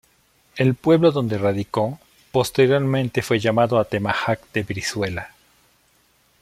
El pueblo donde radicó, posteriormente fue llamado Atemajac de Brizuela.